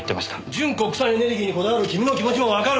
純国産エネルギーにこだわる君の気持ちもわかる。